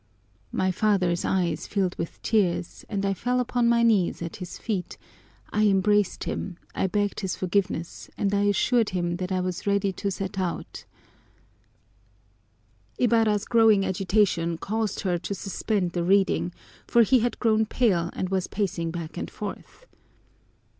My father's eyes filled with tears and I fell upon my knees at his feet, I embraced him, I begged his forgiveness, and I assured him that I was ready to set out '" Ibarra's growing agitation caused her to suspend the reading, for he had grown pale and was pacing back and forth.